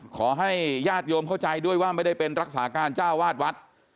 ขอให้ญาติโยมเข้าใจด้วยว่าไม่ได้เป็นรักษาการเจ้าวาดวัด